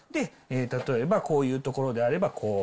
例えばこういうところであればこう。